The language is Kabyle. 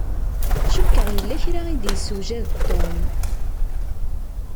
Cukkeɣ yella kra i d-yessewjad Tom.